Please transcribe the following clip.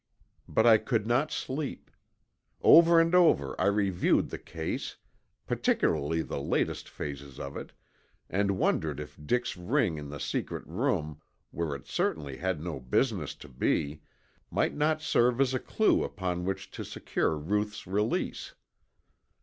But I could not sleep. Over and over I reviewed the case, particularly the latest phases of it, and wondered if Dick's ring in the secret room, where it certainly had no business to be, might not serve as a clue upon which to secure Ruth's release.